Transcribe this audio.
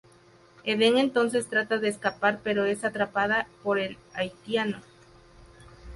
Eden entonces trata de escapar pero es atrapada por el haitiano.